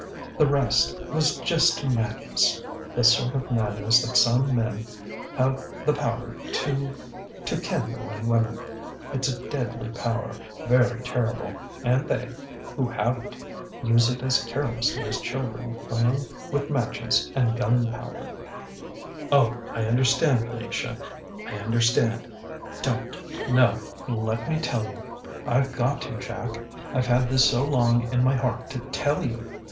"The rest ... was just madness, the sort of madness that some men have the power to to kindle in women. It's a deadly power, very terrible, and they who have it use it as carelessly as children playing with matches and gunpowder " "Oh, I understand, Venetia, I understand! Don't " "No let me tell you. I've got to, Jack. I've had this so long in my heart to tell you!...